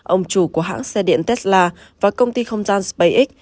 ông chủ của hãng xe điện tesla và công ty không gian spacex